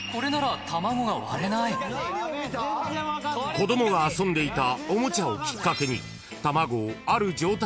［子供が遊んでいたおもちゃをきっかけに］